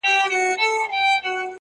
څه ګلاب سوې څه نرګس او څه سنبل سوې,